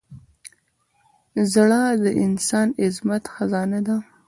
زړه د انساني عظمت خزانه ده.